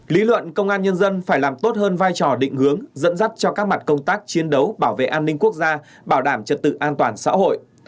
lý luận công an nhân dân phải làm tốt hơn vai trò định hướng dẫn dắt cho các mặt công tác chiến đấu bảo vệ an ninh quốc gia bảo đảm trật tự an toàn xã hội